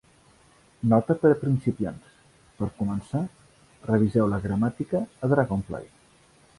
Nota per a principiants: per començar, reviseu la gramàtica a Dragonfly.